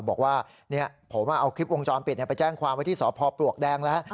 บอกว่าเนี่ยผมว่าเอาคลิปวงจรปิดเนี่ยไปแจ้งความวิทยาศาสตร์พอปลวกแดงแล้ว